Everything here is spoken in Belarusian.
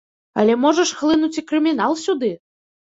Але можа ж хлынуць і крымінал сюды.